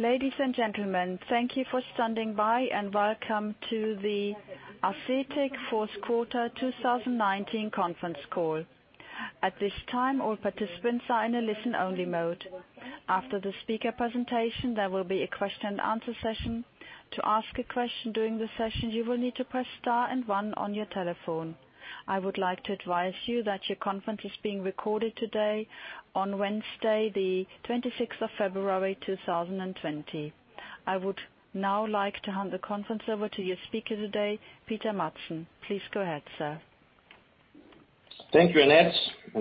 Ladies and gentlemen, thank you for standing by. Welcome to the Asetek fourth quarter 2019 conference call. At this time, all participants are in a listen-only mode. After the speaker presentation, there will be a question and answer session. To ask a question during the session, you will need to press star and one on your telephone. I would like to advise you that your conference is being recorded today on Wednesday, the 26th of February, 2020. I would now like to hand the conference over to your speaker today, Peter Madsen. Please go ahead, sir. Thank you, Annette.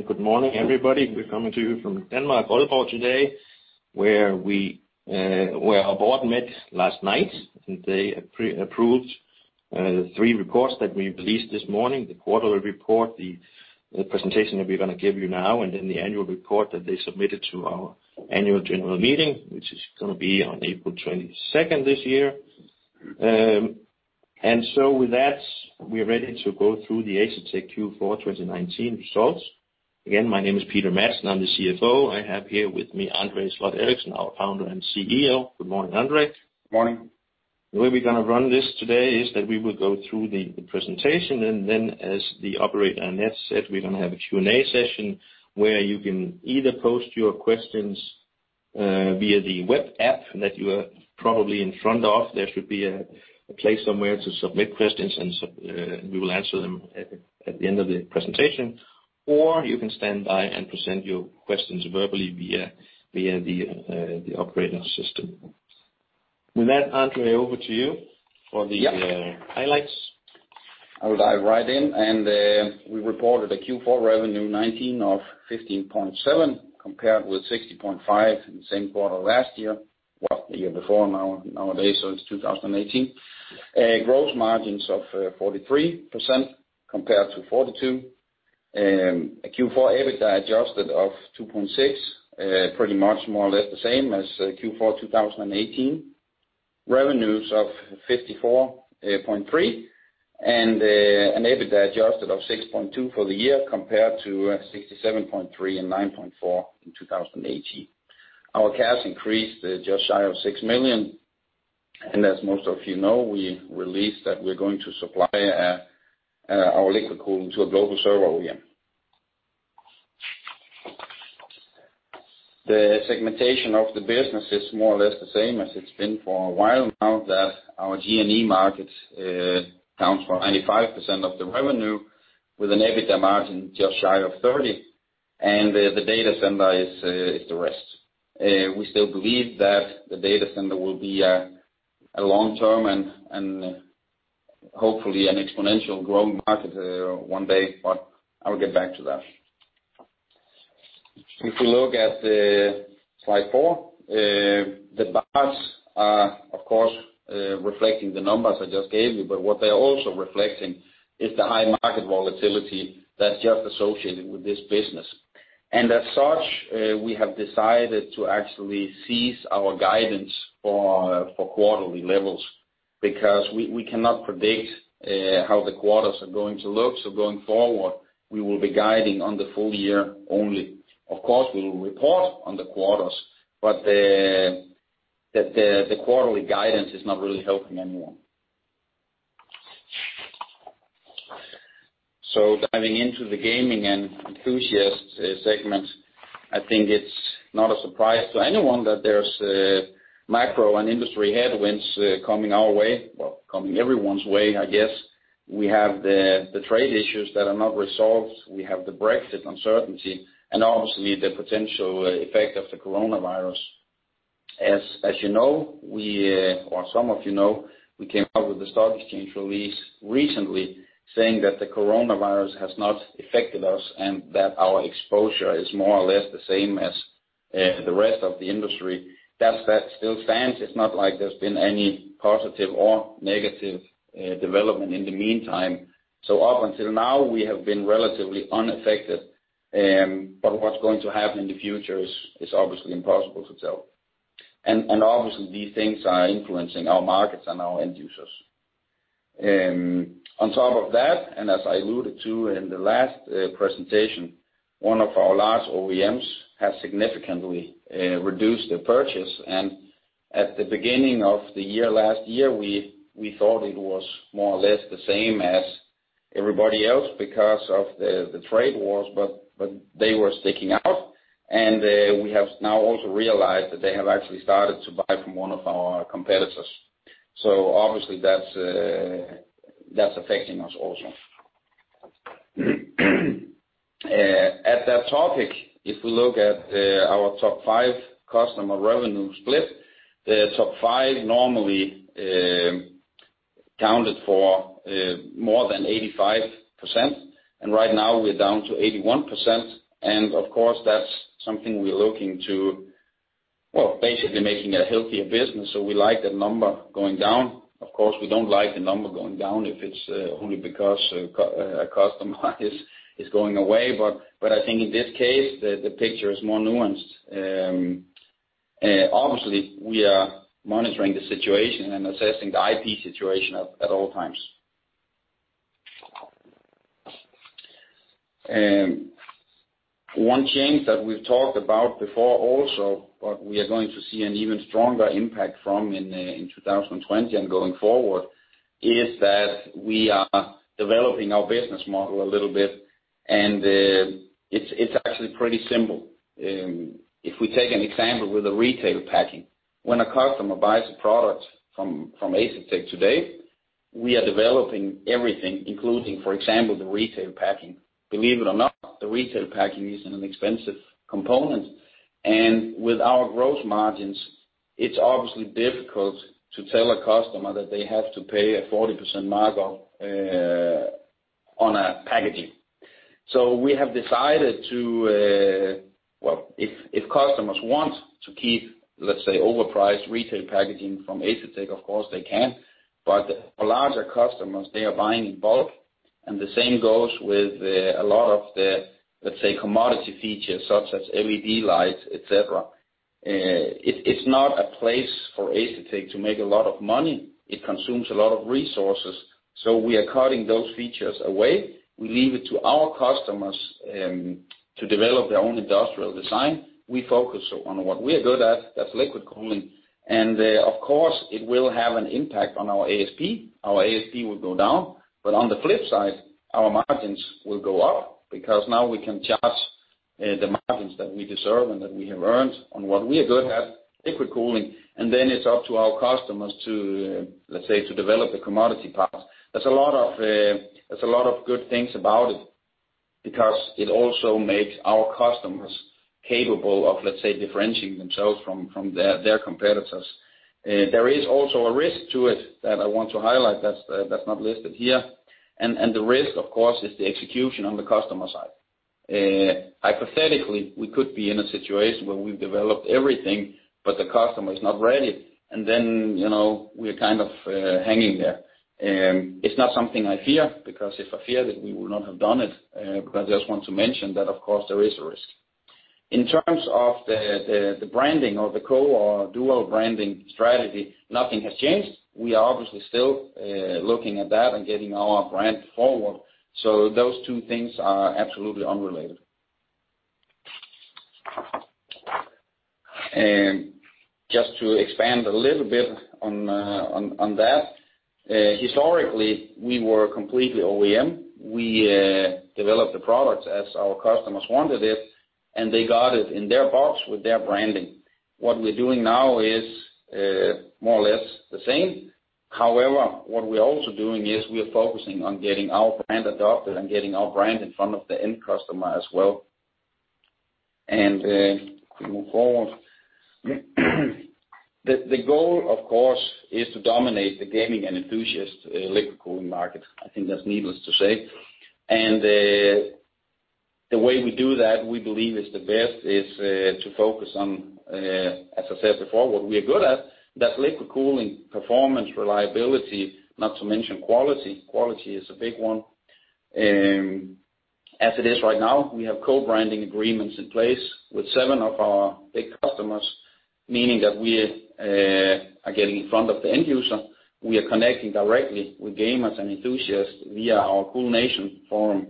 Good morning everybody. We're coming to you from Denmark, Aalborg, today, where our board met last night, and they approved the three reports that we released this morning: the quarterly report, the presentation that we're going to give you now, and then the annual report that they submitted to our annual general meeting, which is going to be on April 22nd this year. With that, we are ready to go through the Asetek Q4 2019 results. Again, my name is Peter Madsen, I'm the CFO. I have here with me André Sloth Eriksen, our Founder and CEO. Good morning, André. Morning. The way we're going to run this today is that we will go through the presentation, and then as the operator Annette said, we're going to have a Q&A session where you can either post your questions via the web app that you are probably in front of. There should be a place somewhere to submit questions, and we will answer them at the end of the presentation, or you can stand by and present your questions verbally via the operator system. With that, André, over to you. Yeah. Highlights. I'll dive right in. We reported a Q4 revenue 19 of 15.7, compared with 60.5 in the same quarter last year. Well, the year before nowadays, so it's 2018. Gross margins of 43% compared to 42%. A Q4 EBITDA adjusted of 2.6, pretty much more or less the same as Q4 2018. Revenues of 54.3 and an EBITDA adjusted of 6.2 for the year, compared to 67.3 and 9.4 in 2018. Our cash increased just shy of 6 million, and as most of you know, we released that we're going to supply our liquid cooling to a global server OEM. The segmentation of the business is more or less the same as it's been for a while now that our G&E market accounts for 95% of the revenue, with an EBITDA margin just shy of 30%, and the data center is the rest. We still believe that the data center will be a long-term and hopefully an exponential growing market one day, but I will get back to that. If you look at slide four, the bars are, of course, reflecting the numbers I just gave you, but what they're also reflecting is the high market volatility that's just associated with this business. As such, we have decided to actually cease our guidance for quarterly levels because we cannot predict how the quarters are going to look. Going forward, we will be guiding on the full year only. Of course, we will report on the quarters, but the quarterly guidance is not really helping anyone. Diving into the gaming and enthusiast segment, I think it's not a surprise to anyone that there's macro and industry headwinds coming our way. Well, coming everyone's way, I guess. We have the trade issues that are not resolved. We have the Brexit uncertainty and obviously the potential effect of the coronavirus. As you know, or some of you know, we came out with a stock exchange release recently saying that the coronavirus has not affected us and that our exposure is more or less the same as the rest of the industry. That still stands. It's not like there's been any positive or negative development in the meantime. Up until now, we have been relatively unaffected, but what's going to happen in the future is obviously impossible to tell. Obviously these things are influencing our markets and our end users. On top of that, and as I alluded to in the last presentation, one of our large OEMs has significantly reduced their purchase. At the beginning of the year, last year, we thought it was more or less the same as everybody else because of the trade wars, but they were sticking out. We have now also realized that they have actually started to buy from one of our competitors. Obviously that's affecting us also. At that topic, if we look at our top five customer revenue split, the top 5 normally accounted for more than 85%, and right now we're down to 81%. Of course, that's something we're looking to, well, basically making a healthier business, so we like the number going down. Of course, we don't like the number going down if it's only because a customer is going away, but I think in this case, the picture is more nuanced. Obviously, we are monitoring the situation and assessing the IP situation at all times. One change that we've talked about before also, but we are going to see an even stronger impact from in 2020 and going forward, is that we are developing our business model a little bit, and it's actually pretty simple. If we take an example with the retail packing. When a customer buys a product from Asetek today, we are developing everything including, for example, the retail packing. Believe it or not, the retail packing is an expensive component. With our growth margins, it's obviously difficult to tell a customer that they have to pay a 40% markup on a packaging. We have decided If customers want to keep, let's say, overpriced retail packaging from Asetek, of course they can. For larger customers, they are buying in bulk. The same goes with a lot of the, let's say, commodity features such as LED lights, et cetera. It's not a place for Asetek to make a lot of money. It consumes a lot of resources. We are cutting those features away. We leave it to our customers to develop their own industrial design. We focus on what we are good at, that's liquid cooling. Of course, it will have an impact on our ASP. Our ASP will go down, but on the flip side, our margins will go up because now we can charge the margins that we deserve and that we have earned on what we are good at, liquid cooling. Then it's up to our customers to, let's say, to develop the commodity parts. There's a lot of good things about it, because it also makes our customers capable of, let's say, differentiating themselves from their competitors. There is also a risk to it that I want to highlight that's not listed here. The risk, of course, is the execution on the customer side. Hypothetically, we could be in a situation where we've developed everything, but the customer is not ready. Then, we're kind of hanging there. It's not something I fear, because if I feared it, we would not have done it. I just want to mention that, of course, there is a risk. In terms of the branding or the co or dual branding strategy, nothing has changed. We are obviously still looking at that and getting our brand forward. Those two things are absolutely unrelated. Just to expand a little bit on that. Historically, we were completely OEM. We developed the products as our customers wanted it, and they got it in their box with their branding. What we're doing now is more or less the same. However, what we're also doing is we're focusing on getting our brand adopted and getting our brand in front of the end customer as well. Can we move forward. The goal, of course, is to dominate the gaming and enthusiast liquid cooling market. I think that's needless to say. The way we do that, we believe is the best is to focus on, as I said before, what we are good at. That's liquid cooling, performance, reliability, not to mention quality. Quality is a big one. As it is right now, we have co-branding agreements in place with seven of our big customers, meaning that we are getting in front of the end user. We are connecting directly with gamers and enthusiasts via our CoolNation forum.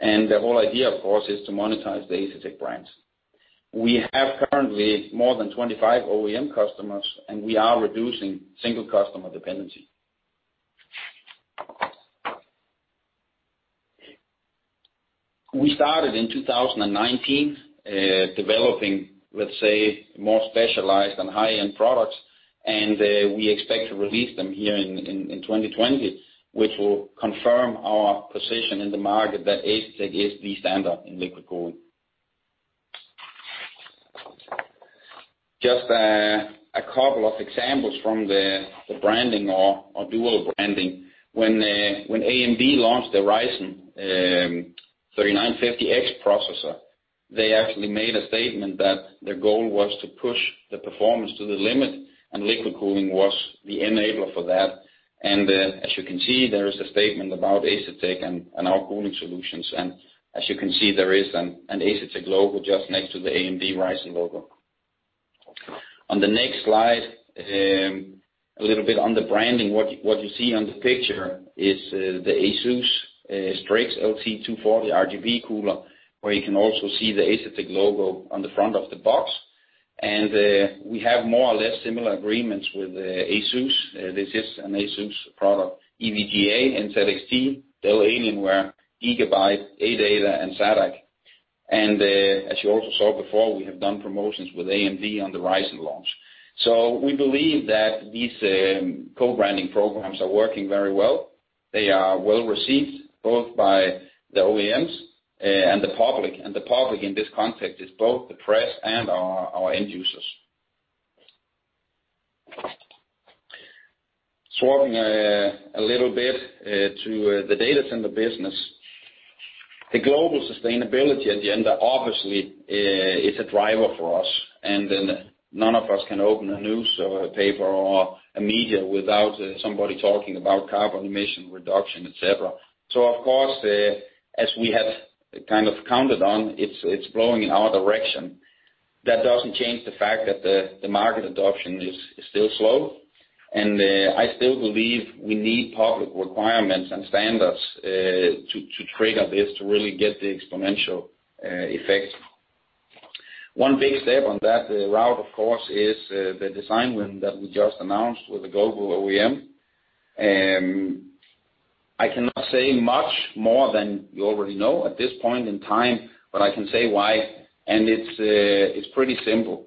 The whole idea, of course, is to monetize the Asetek brands. We have currently more than 25 OEM customers, and we are reducing single customer dependency. We started in 2019, developing, let's say, more specialized and high-end products, and we expect to release them here in 2020, which will confirm our position in the market that Asetek is the standard in liquid cooling. Just a couple of examples from the branding or dual branding. When AMD launched the Ryzen 3950X processor, they actually made a statement that their goal was to push the performance to the limit, and liquid cooling was the enabler for that. As you can see, there is a statement about Asetek and our cooling solutions. As you can see, there is an Asetek logo just next to the AMD Ryzen logo. On the next slide, a little bit on the branding. What you see on the picture is the ASUS Strix LC 240 RGB cooler, where you can also see the Asetek logo on the front of the box. We have more or less similar agreements with ASUS. This is an ASUS product, EVGA, NZXT, Dell Alienware, Gigabyte, ADATA, and ZADAK. As you also saw before, we have done promotions with AMD on the Ryzen launch. We believe that these co-branding programs are working very well. They are well-received both by the OEMs and the public. The public in this context is both the press and our end users. Swapping a little bit to the data center business. The global sustainability agenda obviously is a driver for us. None of us can open a news or a paper or a media without somebody talking about carbon emission reduction, et cetera. Of course, as we have kind of counted on, it's blowing in our direction. That doesn't change the fact that the market adoption is still slow. I still believe we need public requirements and standards to trigger this, to really get the exponential effect. One big step on that route, of course, is the design win that we just announced with a global OEM. I cannot say much more than you already know at this point in time. I can say why. It's pretty simple.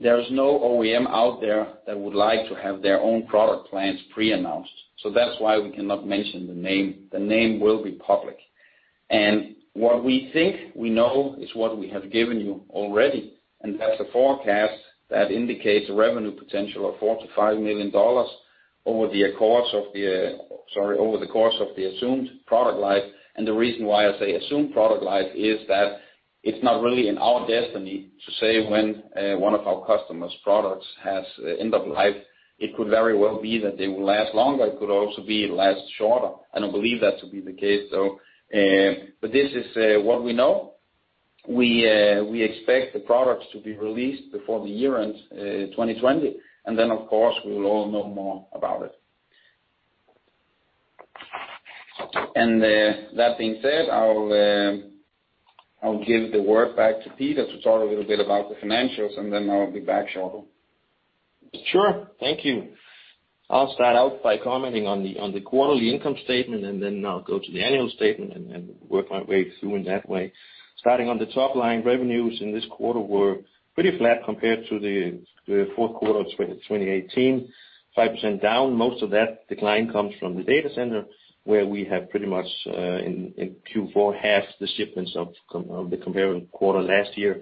There's no OEM out there that would like to have their own product plans pre-announced. That's why we cannot mention the name. The name will be public. What we think we know is what we have given you already, and that's a forecast that indicates a revenue potential of $45 million over the course of the assumed product life. The reason why I say assumed product life is that it's not really in our destiny to say when one of our customer's products has end of life. It could very well be that they will last longer. It could also be it lasts shorter. I don't believe that to be the case, though. This is what we know. We expect the products to be released before the year-end 2020, and then, of course, we will all know more about it. That being said, I'll give the word back to Peter to talk a little bit about the financials, and then I'll be back shortly. Sure. Thank you. I'll start out by commenting on the quarterly income statement, and then I'll go to the annual statement, and then work my way through in that way. Starting on the top line, revenues in this quarter were pretty flat compared to the fourth quarter of 2018, 5% down. Most of that decline comes from the data center, where we have pretty much, in Q4, half the shipments of the comparing quarter last year.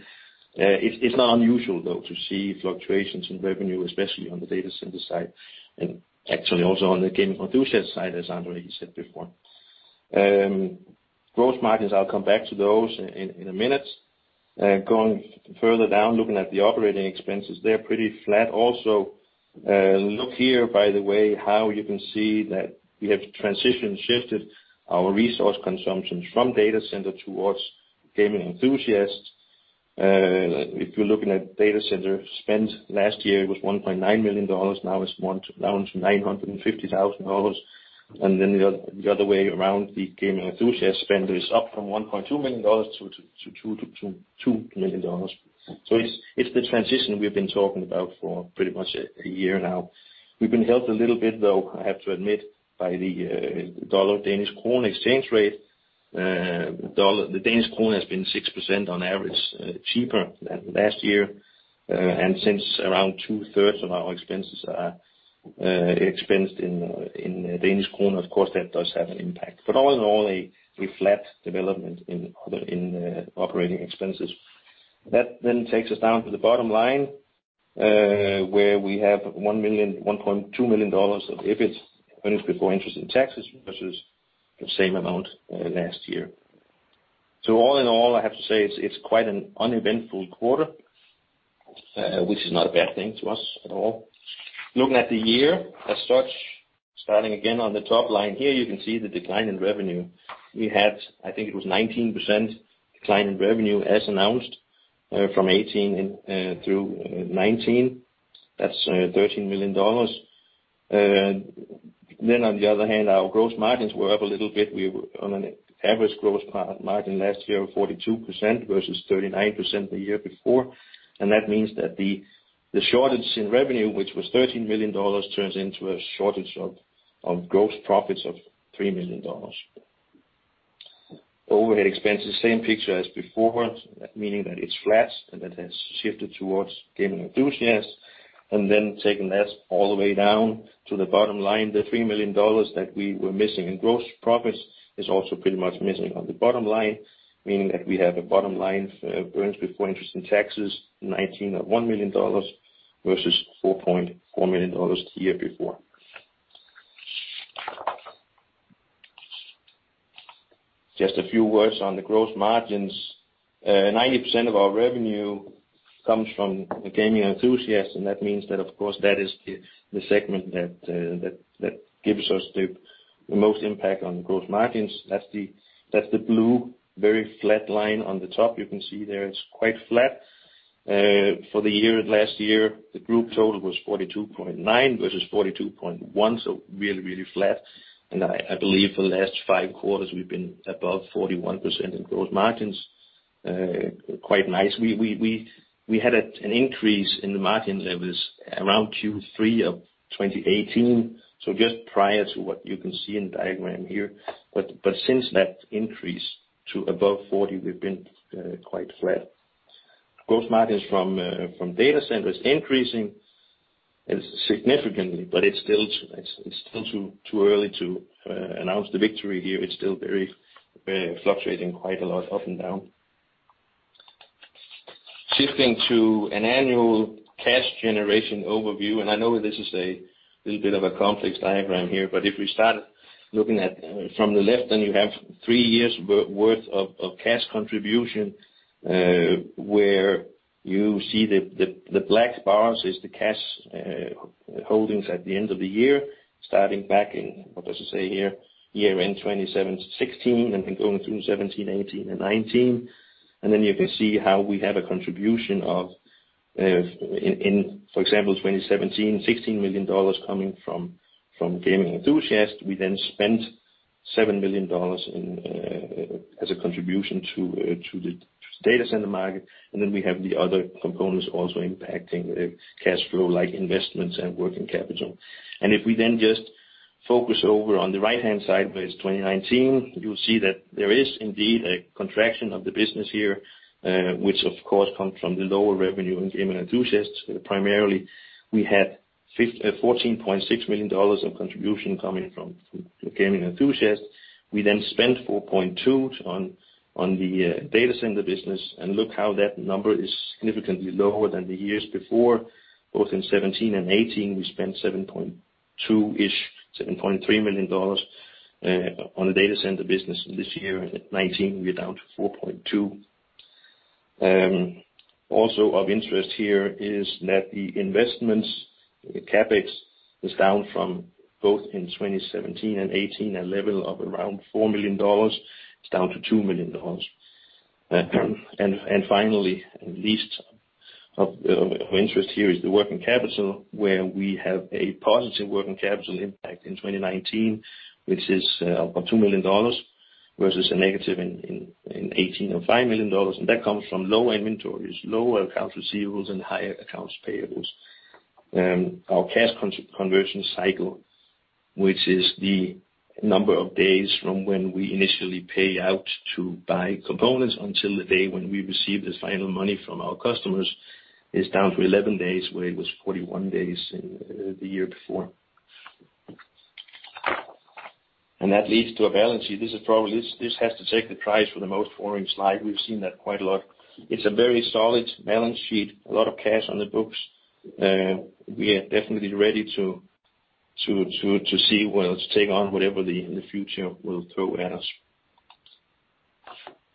It's not unusual, though, to see fluctuations in revenue, especially on the data center side, and actually also on the gaming enthusiast side, as André said before. Gross margins, I'll come back to those in a minute. Going further down, looking at the operating expenses, they're pretty flat also. Look here, by the way, how you can see that we have transition shifted our resource consumption from data center towards gaming enthusiasts. If you're looking at data center spend, last year it was $1.9 million, now it's down to $950,000. The other way around, the gaming enthusiast spend is up from $1.2 million to $2 million. It's the transition we've been talking about for pretty much a year now. We've been helped a little bit, though, I have to admit, by the dollar-Danish krone exchange rate. The Danish krone has been 6% on average cheaper than last year. Since around 2/3 of our expenses are expensed in Danish krone, of course, that does have an impact. All in all, a flat development in operating expenses. That then takes us down to the bottom line, where we have $1.2 million of EBIT, earnings before interest and taxes, versus the same amount last year. All in all, I have to say it's quite an uneventful quarter, which is not a bad thing to us at all. Looking at the year as such, starting again on the top line here, you can see the decline in revenue. We had, I think it was 19% decline in revenue as announced from 2018 through 2019. That's $13 million. On the other hand, our gross margins were up a little bit. We were on an average gross margin last year of 42% versus 39% the year before. That means that the shortage in revenue, which was $13 million, turns into a shortage of gross profits of $3 million. Overhead expenses, same picture as before, meaning that it's flat and that has shifted towards gaming enthusiasts. Then taking that all the way down to the bottom line, the $3 million that we were missing in gross profits is also pretty much missing on the bottom line, meaning that we have a bottom-line EBIT, $1.9 Million versus $4.4 million the year before. Just a few words on the gross margins. 90% of our revenue comes from the gaming enthusiasts. That means that, of course, that is the segment that gives us the most impact on gross margins. That's the blue, very flat line on the top. You can see there, it's quite flat. For the year last year, the group total was 42.9% versus 42.1%. Really flat. I believe for the last five quarters, we've been above 41% in gross margins. Quite nice. We had an increase in the margin levels around Q3 of 2018, so just prior to what you can see in the diagram here. Since that increase to above 40, we've been quite flat. Gross margins from data centers increasing significantly, it's still too early to announce the victory here. It's still very fluctuating quite a lot, up and down. Shifting to an annual cash generation overview, I know this is a little bit of a complex diagram here, if we start looking at from the left, you have three years' worth of cash contribution, where you see the black bars is the cash holdings at the end of the year, starting back in, what does it say here? Year-end 2016, and then going through 2017, 2018, and 2019. You can see how we have a contribution of, for example, 2017, $16 million coming from Gaming Enthusiast. We spent $7 million as a contribution to the data center market. We have the other components also impacting cash flow, like investments and working capital. If we just focus over on the right-hand side, where it's 2019, you'll see that there is indeed a contraction of the business here, which of course comes from the lower revenue in Gaming Enthusiasts. Primarily, we had $14.6 million of contribution coming from Gaming Enthusiasts. We then spent $4.2 million on the data center business. Look how that number is significantly lower than the years before. Both in 2017 and 2018, we spent 7.2-ish, $7.3 million on the data center business. This year, in 2019, we are down to $4.2 million. Also of interest here is that the investments, the CapEx, is down from both in 2017 and 2018, a level of around $4 million, it's down to $2 million. Finally, and least of interest here, is the working capital, where we have a positive working capital impact in 2019, which is of $2 million, versus a negative in 2018 of $5 million. That comes from low inventories, low accounts receivables, and higher accounts payables. Our cash conversion cycle, which is the number of days from when we initially pay out to buy components until the day when we receive the final money from our customers, is down to 11 days, where it was 41 days in the year before. That leads to a balance sheet. This has to take the prize for the most boring slide. We've seen that quite a lot. It's a very solid balance sheet, a lot of cash on the books. We are definitely ready to see what it's take on, whatever the future will throw at us.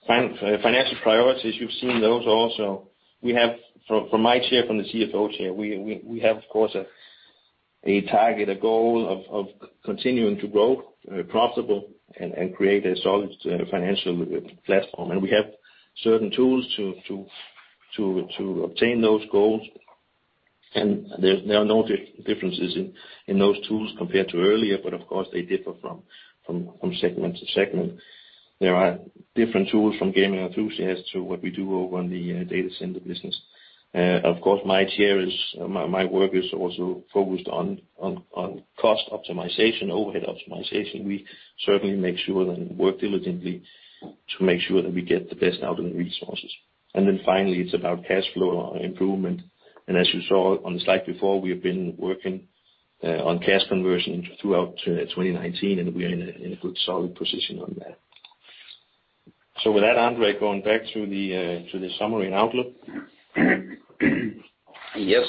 Financial priorities, you've seen those also. From my chair, from the CFO chair, we have, of course, a target, a goal, of continuing to grow profitable and create a solid financial platform. We have certain tools to obtain those goals. There are no differences in those tools compared to earlier, but of course, they differ from segment to segment. There are different tools from Gaming Enthusiast to what we do over on the data center business. Of course, my work is also focused on cost optimization, overhead optimization. We certainly make sure and work diligently to make sure that we get the best out of the resources. Finally, it's about cash flow improvement. As you saw on the slide before, we have been working on cash conversion throughout 2019, and we are in a good solid position on that. With that, André, going back to the summary and outlook. Yes.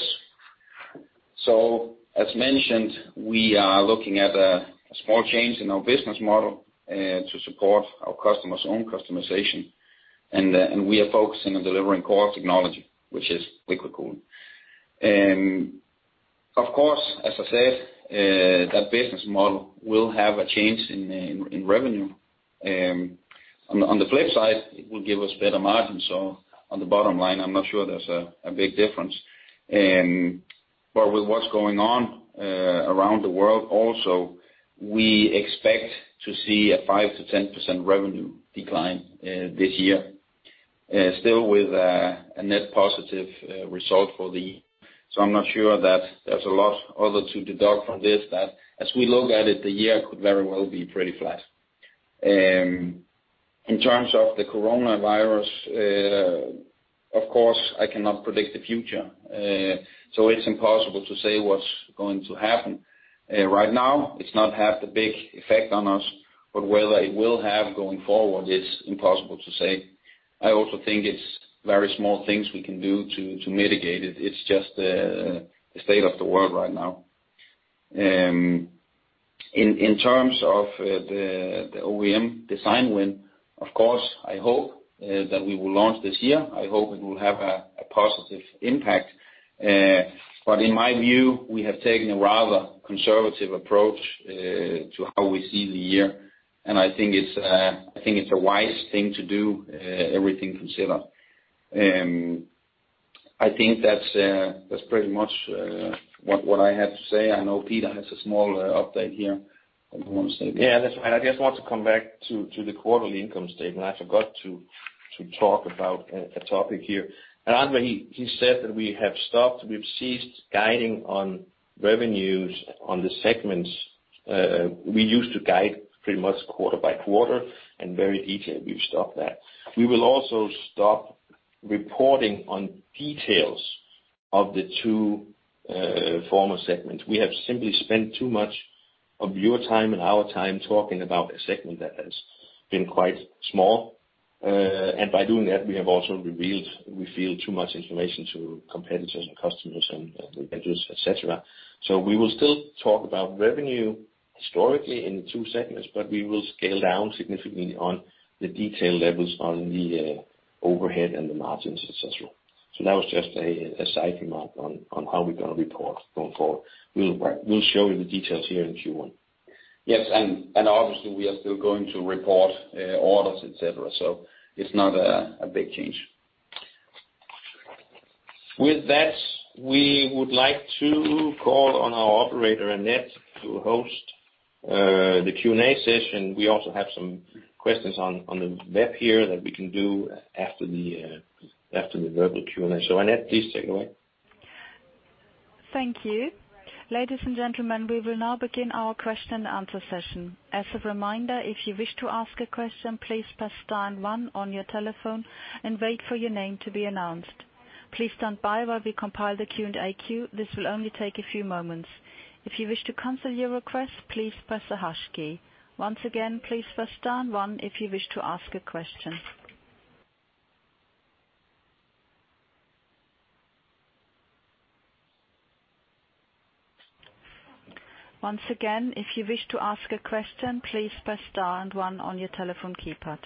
As mentioned, we are looking at a small change in our business model to support our customers' own customization. We are focusing on delivering core technology, which is liquid cooling. Of course, as I said, that business model will have a change in revenue. On the flip side, it will give us better margins. On the bottom line, I'm not sure there's a big difference. With what's going on around the world also, we expect to see a 5%-10% revenue decline this year, still with a net positive result for the year. I'm not sure that there's a lot other to deduct from this, that as we look at it, the year could very well be pretty flat. In terms of the coronavirus, of course, I cannot predict the future. It's impossible to say what's going to happen. Right now, it's not had a big effect on us, but whether it will have going forward, it's impossible to say. I also think it's very small things we can do to mitigate it. It's just the state of the world right now. In terms of the OEM design win, of course, I hope that we will launch this year. I hope it will have a positive impact. In my view, we have taken a rather conservative approach to how we see the year, and I think it's a wise thing to do, everything considered. I think that's pretty much what I have to say. I know Peter has a small update here that he wants to make. Yeah, that's right. I just want to come back to the quarterly income statement. I forgot to talk about a topic here. André, he said that we've ceased guiding on revenues on the segments. We used to guide pretty much quarter by quarter and very detailed. We've stopped that. We will also stop reporting on details of the two former segments. We have simply spent too much of your time and our time talking about a segment that has been quite small. By doing that, we have also revealed too much information to competitors and customers and vendors, et cetera. We will still talk about revenue historically in the two segments, but we will scale down significantly on the detail levels on the overhead and the margins, et cetera. That was just a side remark on how we're going to report going forward. We'll show you the details here in Q1. Yes. Obviously, we are still going to report orders, et cetera. It's not a big change. With that, we would like to call on our operator, Annette, to host the Q&A session. We also have some questions on the map here that we can do after the verbal Q&A. Annette, please take it away. Thank you. Ladies and gentlemen, we will now begin our question and answer session. As a reminder, if you wish to ask a question, please press star and one on your telephone and wait for your name to be announced. Please stand by while we compile the Q&A queue. This will only take a few moments. If you wish to cancel your request, please press the hash key. Once again, please press star and one if you wish to ask a question. Once again, if you wish to ask a question, please press star and one on your telephone keypad.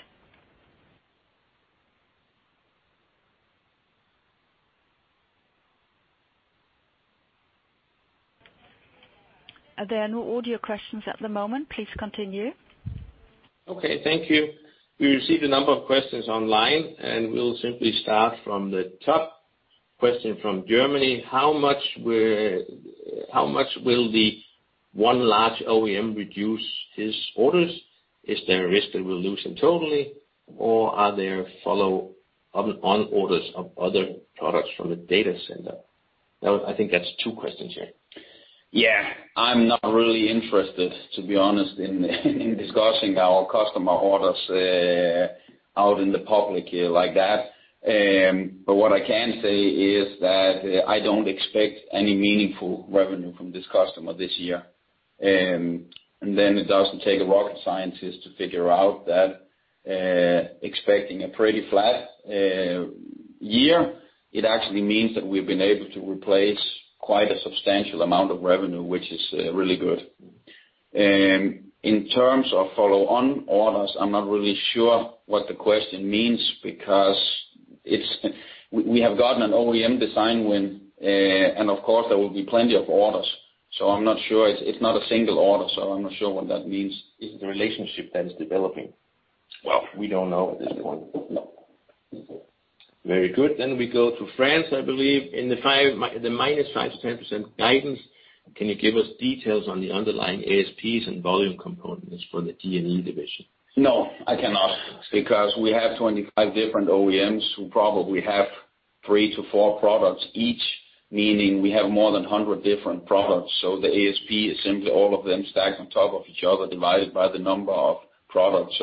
There are no audio questions at the moment. Please continue. Okay. Thank you. We received a number of questions online, and we'll simply start from the top. Question from Germany: How much will the one large OEM reduce his orders? Is there a risk they will lose him totally, or are there follow-on orders of other products from the data center? I think that's two questions here. Yeah. I'm not really interested, to be honest, in discussing our customer orders out in the public here like that. What I can say is that I don't expect any meaningful revenue from this customer this year. It doesn't take a rocket scientist to figure out that expecting a pretty flat year, it actually means that we've been able to replace quite a substantial amount of revenue, which is really good. In terms of follow-on orders, I'm not really sure what the question means because we have gotten an OEM design win and of course there will be plenty of orders. I'm not sure. It's not a single order, so I'm not sure what that means. Is it a relationship that is developing? Well, we don't know at this point. Very good. We go to France, I believe. In the -5% to -10% guidance, can you give us details on the underlying ASPs and volume components for the D&E division? I cannot because we have 25 different OEMs who probably have 3-4 products each, meaning we have more than 100 different products. The ASP is simply all of them stacked on top of each other, divided by the number of products.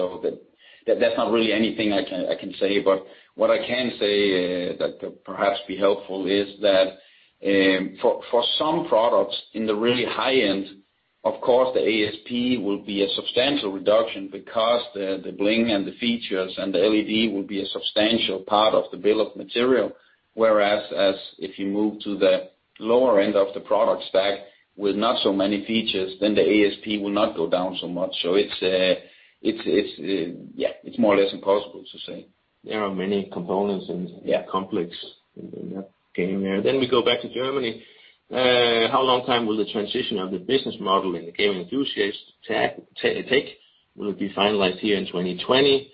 That's not really anything I can say, but what I can say that could perhaps be helpful is that for some products in the really high-end, of course, the ASP will be a substantial reduction because the bling and the features and the LED will be a substantial part of the bill of material. Whereas, as if you move to the lower end of the product stack with not so many features, then the ASP will not go down so much. It's more or less impossible to say. There are many components. Yeah. Complex in that game there. We go back to Germany. How long time will the transition of the business model in the gaming enthusiasts take? Will it be finalized here in 2020?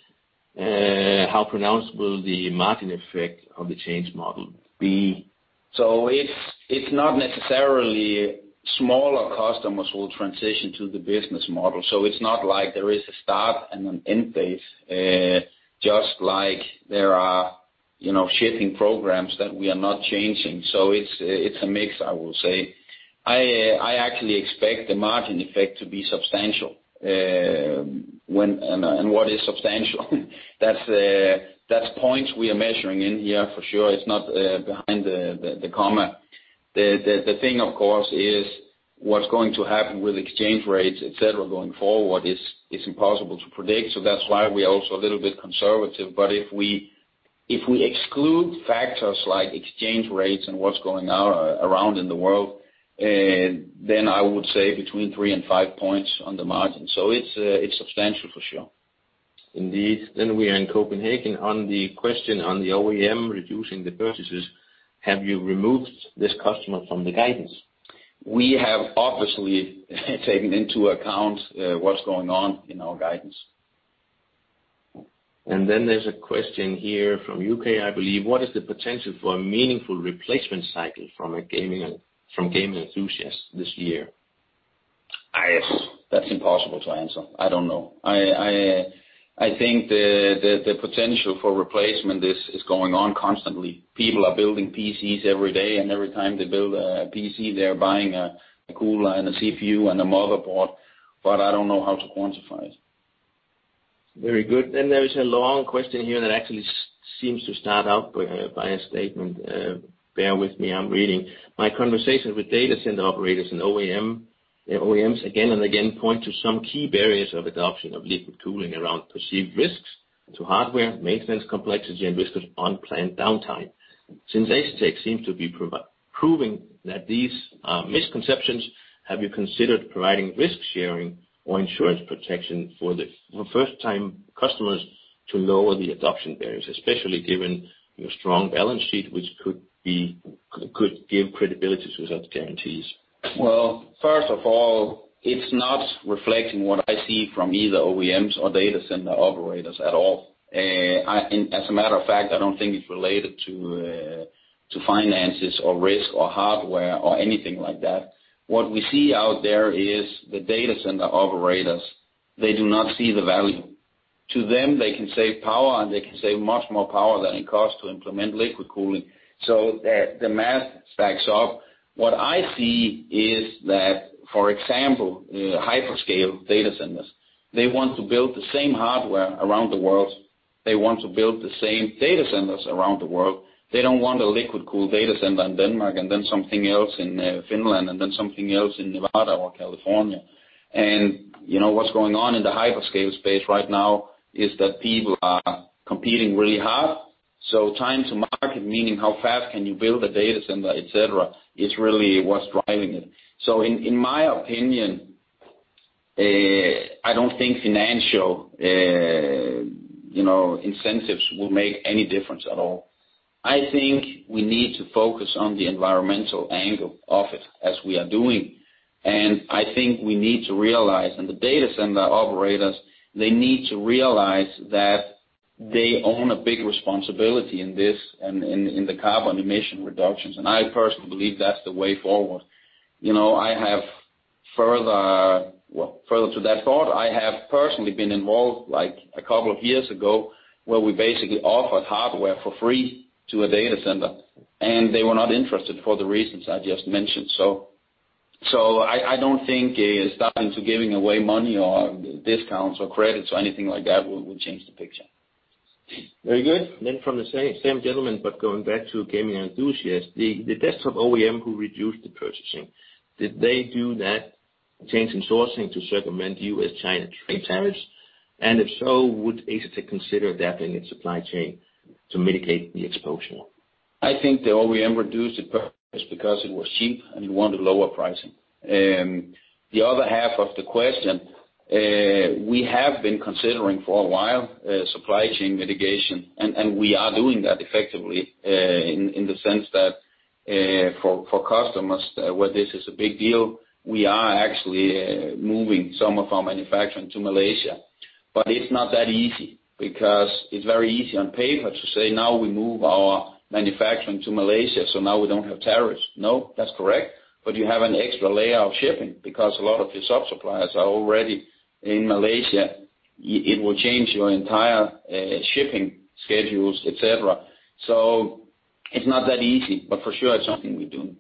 How pronounced the margin effect of the change model be? It's not necessarily smaller customers who will transition to the business model. It's not like there is a start and an end date, just like there are shifting programs that we are not changing. It's a mix, I will say. I actually expect the margin effect to be substantial. What is substantial? That's points we are measuring in here for sure. It's not behind the comma. The thing of course is what's going to happen with exchange rates, et cetera, going forward is impossible to predict. That's why we're also a little bit conservative. If we exclude factors like exchange rates and what's going around in the world, then I would say between three and five points on the margin. It's substantial for sure. Indeed. We are in Copenhagen. On the question on the OEM reducing the purchases, have you removed this customer from the guidance? We have obviously taken into account what's going on in our guidance. There's a question here from U.K., I believe. What is the potential for a meaningful replacement cycle from gaming enthusiasts this year? That's impossible to answer. I don't know. I think the potential for replacement is going on constantly. People are building PCs every day, and every time they build a PC, they're buying a cooler and a CPU and a motherboard, but I don't know how to quantify it. Very good. There is a long question here that actually seems to start out by a statement. Bear with me, I'm reading. My conversation with data center operators and OEMs again and again point to some key barriers of adoption of liquid cooling around perceived risks to hardware, maintenance complexity, and risks of unplanned downtime. Since Asetek seems to be proving that these are misconceptions, have you considered providing risk-sharing or insurance protection for first-time customers to lower the adoption barriers, especially given your strong balance sheet, which could give credibility to such guarantees? Well, first of all, it's not reflecting what I see from either OEMs or data center operators at all. As a matter of fact, I don't think it's related to finances or risk or hardware or anything like that. What we see out there is the data center operators, they do not see the value. To them, they can save power, and they can save much more power than it costs to implement liquid cooling. The math stacks up. What I see is that, for example, in the hyperscale data centers, they want to build the same hardware around the world. They want to build the same data centers around the world. They don't want a liquid cool data center in Denmark and then something else in Finland and then something else in Nevada or California. What's going on in the hyperscale space right now is that people are competing really hard. Time to market, meaning how fast can you build a data center, et cetera, is really what's driving it. In my opinion, I don't think financial incentives will make any difference at all. I think we need to focus on the environmental angle of it as we are doing, and I think we need to realize, and the data center operators, they need to realize that they own a big responsibility in this and in the carbon emission reductions, and I personally believe that's the way forward. Further to that thought, I have personally been involved, like a couple of years ago, where we basically offered hardware for free to a data center, and they were not interested for the reasons I just mentioned. I don't think starting to giving away money or discounts or credits or anything like that will change the picture. Very good. From the same gentleman, but going back to gaming enthusiasts, the desktop OEM who reduced the purchasing, did they do that change in sourcing to circumvent you in China trade tariffs? If so, would Asetek consider that in its supply chain to mitigate the exposure? I think the OEM reduced the purchase because it was cheap, and he wanted lower pricing. The other half of the question, we have been considering for a while, supply chain mitigation, and we are doing that effectively, in the sense that, for customers where this is a big deal, we are actually moving some of our manufacturing to Malaysia. It's not that easy because it's very easy on paper to say, now we move our manufacturing to Malaysia, so now we don't have tariffs. That's correct, but you have an extra layer of shipping because a lot of your sub-suppliers are already in Malaysia. It will change your entire shipping schedules, et cetera. It's not that easy, but for sure it's something we're doing.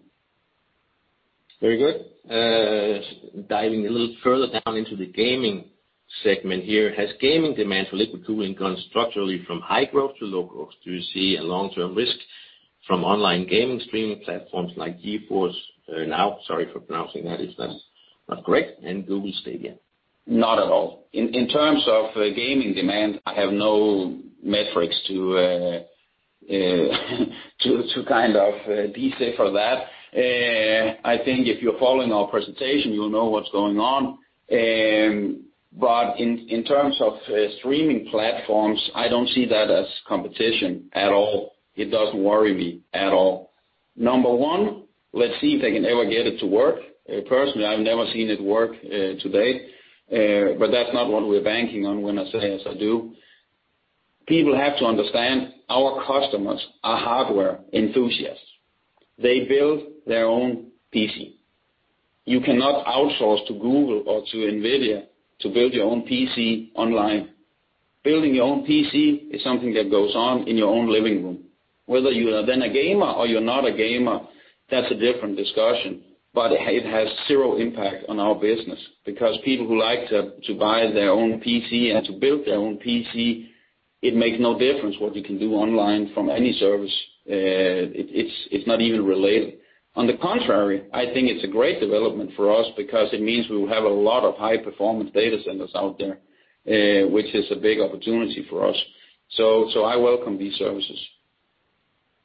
Very good. Diving a little further down into the gaming segment here, has gaming demand for liquid cooling gone structurally from high growth to low growth? Do you see a long-term risk from online gaming streaming platforms like GeForce NOW, sorry for pronouncing that if that's not correct, and Google Stadia? Not at all. In terms of gaming demand, I have no metrics to kind of be safe for that. I think if you're following our presentation, you'll know what's going on. In terms of streaming platforms, I don't see that as competition at all. It doesn't worry me at all. Number one, let's see if they can ever get it to work. Personally, I've never seen it work to date, but that's not what we're banking on when I say as I do. People have to understand our customers are hardware enthusiasts. They build their own PC. You cannot outsource to Google or to Nvidia to build your own PC online. Building your own PC is something that goes on in your own living room. Whether you are then a gamer or you're not a gamer, that's a different discussion, but it has zero impact on our business, because people who like to buy their own PC and to build their own PC, it makes no difference what you can do online from any service. It's not even related. On the contrary, I think it's a great development for us because it means we will have a lot of high-performance data centers out there, which is a big opportunity for us. I welcome these services.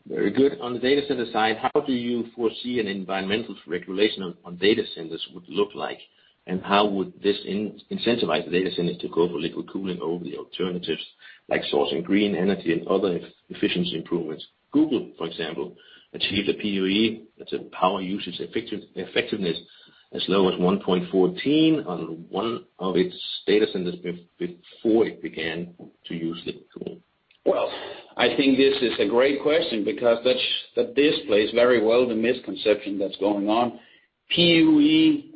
Very good. On the data center side, how do you foresee an environmental regulation on data centers would look like? How would this incentivize the data center to go for liquid cooling over the alternatives like sourcing green energy and other efficiency improvements? Google, for example, achieved a PUE, that's a Power Usage Effectiveness, as low as 1.14 on one of its data centers before it began to use liquid cooling. Well, I think this is a great question because that displays very well the misconception that's going on. PUE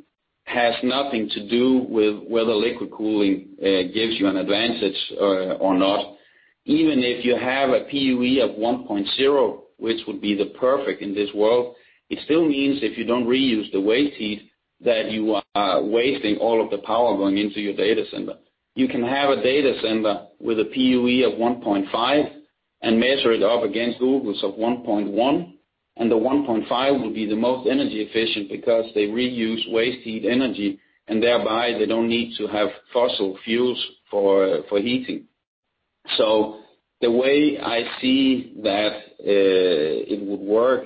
has nothing to do with whether liquid cooling gives you an advantage or not. Even if you have a PUE of 1.0, which would be the perfect in this world, it still means if you don't reuse the waste heat, that you are wasting all of the power going into your data center. You can have a data center with a PUE of 1.5 and measure it up against Google's of 1.1, and the 1.5 will be the most energy efficient because they reuse waste heat energy, and thereby they don't need to have fossil fuels for heating. The way I see that it would work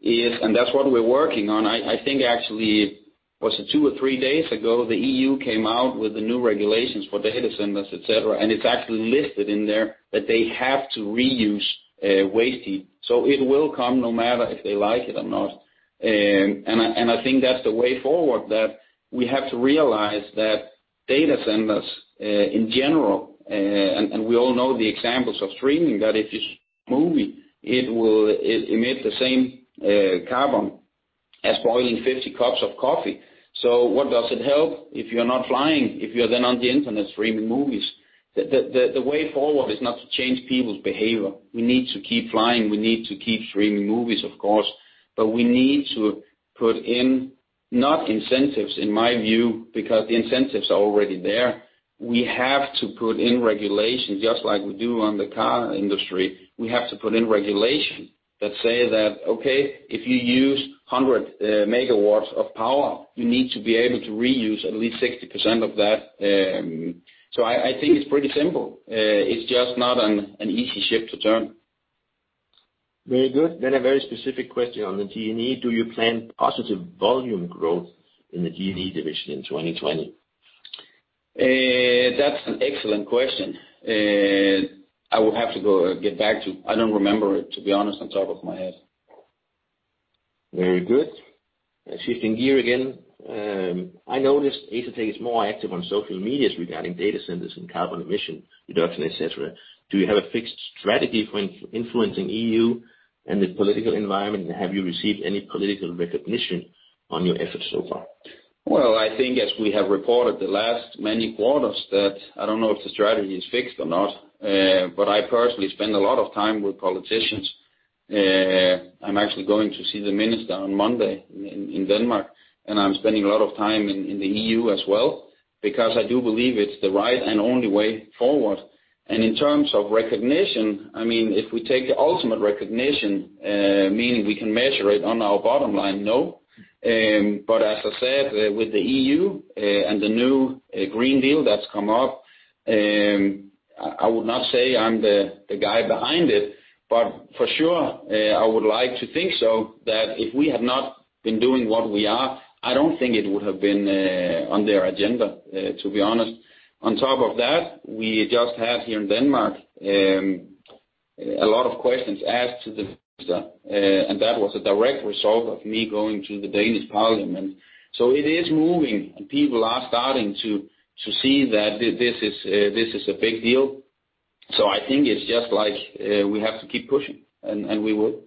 is, and that's what we're working on, I think actually, was it two or three days ago, the E.U. came out with the new regulations for data centers, et cetera, and it's actually listed in there that they have to reuse waste heat. It will come no matter if they like it or not. I think that's the way forward, that we have to realize that data centers in general, and we all know the examples of streaming, that if you watch a movie, it will emit the same carbon as boiling 50 cups of coffee. What does it help if you're not flying, if you're then on the internet streaming movies? The way forward is not to change people's behavior. We need to keep flying, we need to keep streaming movies, of course. We need to put in not incentives, in my view, because the incentives are already there. We have to put in regulations just like we do on the car industry. We have to put in regulations that say that, okay, if you use 100 MW of power, you need to be able to reuse at least 60% of that. I think it's pretty simple. It's just not an easy ship to turn. Very good. A very specific question on the D&E. Do you plan positive volume growth in the D&E division in 2020? That's an excellent question. I will have to get back to you. I don't remember it, to be honest, on top of my head. Very good. Shifting gear again. I noticed Asetek is more active on social medias regarding data centers and carbon emission reduction, et cetera. Do you have a fixed strategy for influencing E.U. and the political environment? Have you received any political recognition on your efforts so far? Well, I think as we have reported the last many quarters, that I don't know if the strategy is fixed or not. I personally spend a lot of time with politicians. I'm actually going to see the minister on Monday in Denmark, and I'm spending a lot of time in the E.U. as well, because I do believe it's the right and only way forward. In terms of recognition, if we take the ultimate recognition, meaning we can measure it on our bottom line, no. As I said, with the E.U. and the new Green Deal that's come up, I would not say I'm the guy behind it, but for sure, I would like to think so, that if we had not been doing what we are, I don't think it would have been on their agenda, to be honest. On top of that, we just had here in Denmark, a lot of questions asked to the minister, and that was a direct result of me going to the Danish parliament. It is moving and people are starting to see that this is a big deal. I think it's just like we have to keep pushing, and we will.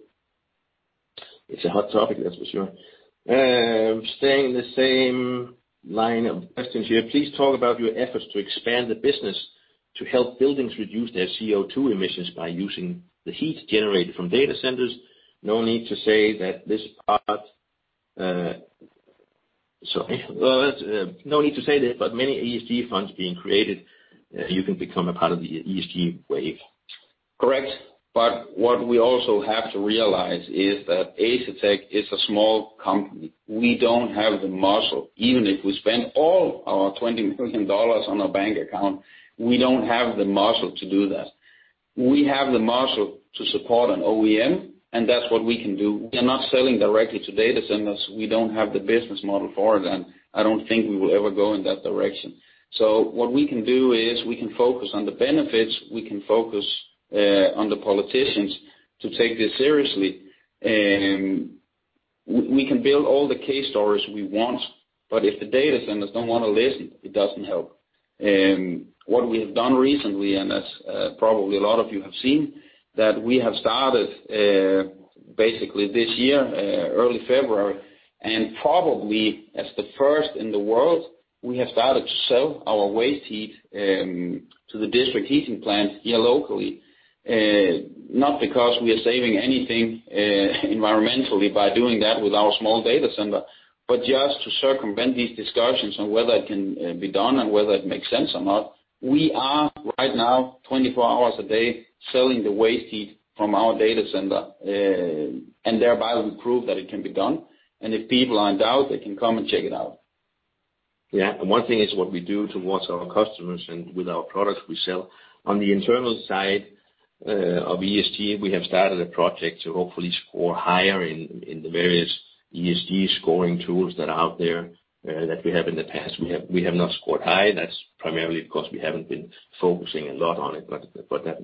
It's a hot topic, that's for sure. Staying in the same line of questioning here, please talk about your efforts to expand the business to help buildings reduce their CO2 emissions by using the heat generated from data centers. No need to say this. Many ESG funds being created, you can become a part of the ESG wave. Correct. What we also have to realize is that Asetek is a small company. We don't have the muscle. Even if we spend all our $20 million on our bank account, we don't have the muscle to do that. We have the muscle to support an OEM, and that's what we can do. We are not selling directly to data centers. We don't have the business model for them. I don't think we will ever go in that direction. What we can do is we can focus on the benefits, we can focus on the politicians to take this seriously, and we can build all the case stories we want, but if the data centers don't want to listen, it doesn't help. What we have done recently, and as probably a lot of you have seen, that we have started, basically this year, early February, and probably as the first in the world, we have started to sell our waste heat to the district heating plant here locally. Not because we are saving anything environmentally by doing that with our small data center, but just to circumvent these discussions on whether it can be done and whether it makes sense or not. We are right now, 24 hours a day, selling the waste heat from our data center, and thereby we prove that it can be done. If people are in doubt, they can come and check it out. One thing is what we do towards our customers and with our products we sell. On the internal side of ESG, we have started a project to hopefully score higher in the various ESG scoring tools that are out there, that we have in the past. We have not scored high, that's primarily because we haven't been focusing a lot on it, but that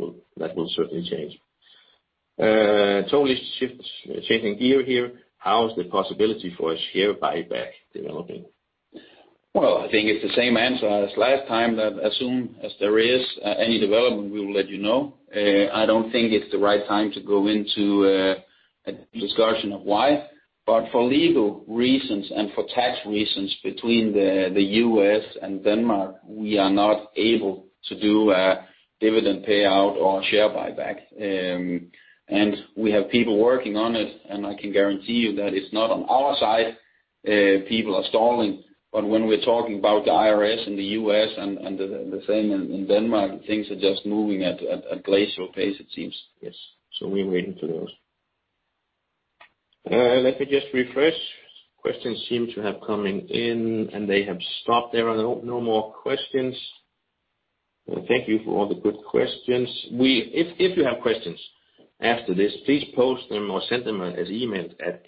will certainly change. Totally changing gear here, how is the possibility for a share buyback developing? Well, I think it's the same answer as last time, that as soon as there is any development, we will let you know. I don't think it's the right time to go into a discussion of why. For legal reasons and for tax reasons between the U.S. and Denmark, we are not able to do a dividend payout or share buyback. We have people working on it, and I can guarantee you that it's not on our side people are stalling. When we're talking about the IRS in the U.S. and the same in Denmark, things are just moving at a glacial pace, it seems. Yes. We're waiting for those. Let me just refresh. Questions seem to have coming in, and they have stopped there. No more questions. Thank you for all the good questions. If you have questions after this, please post them or send them as email at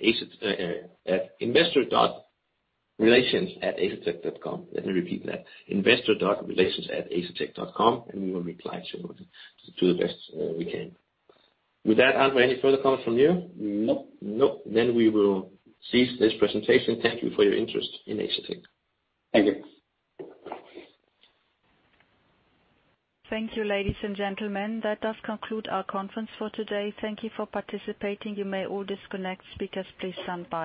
investor.relations@asetek.com. Let me repeat that, investor.relations@asetek.com and we will reply to the best we can. With that, André, any further comments from you? No. No. We will cease this presentation. Thank you for your interest in Asetek. Thank you. Thank you, ladies and gentlemen. That does conclude our conference for today. Thank you for participating. You may all disconnect. Speakers, please stand by.